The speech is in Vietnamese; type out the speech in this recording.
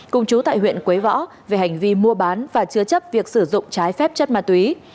cùng chú tại huyện quế võ về hành vi mua bán và chứa chấp việc sử dụng trái phép chất ma túy